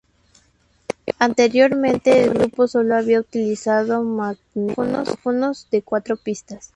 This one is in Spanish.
Anteriormente, el grupo solo había utilizado magnetófonos de cuatro pistas.